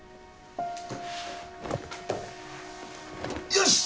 よし。